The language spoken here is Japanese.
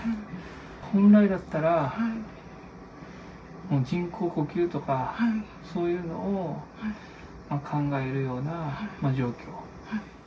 本来だったら、もう人工呼吸とか、そういうのを考えるような状況。